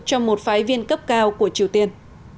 trong một phái viên cấp cao của triều tiên